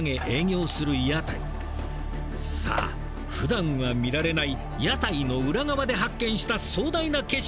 さあふだんは見られない屋台の裏側で発見した壮大な景色